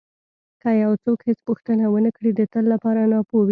که یو څوک هېڅ پوښتنه ونه کړي د تل لپاره ناپوه وي.